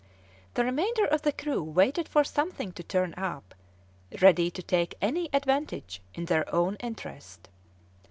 The remainder of the crew waited for something to turn up, ready to take any advantage in their own interest.